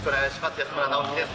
安村直樹です。